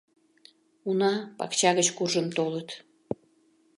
Уна пакча гыч куржын толыт.